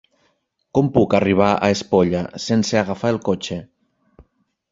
Com puc arribar a Espolla sense agafar el cotxe?